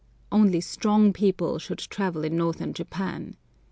Only strong people should travel in northern Japan.